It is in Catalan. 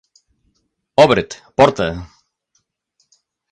Obre't, porta!